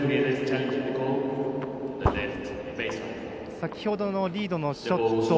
先ほどのリードのショット